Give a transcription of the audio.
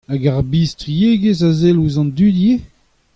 Hag ar bistriegezh a sell ouzh an dud ivez ?